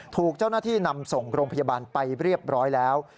ถูกเจ้าหน้าที่นำส่งโรงพยาบาลไปเรียบร้อยแล้ว